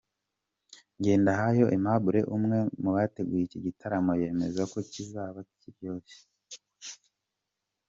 Ngendahayo Aimable umwe mu bateguye iki gitaramo yemeza ko kizaba kiryoshye.